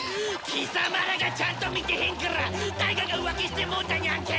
貴様らがちゃんと見てへんからタイガが浮気してもうたニャンけ。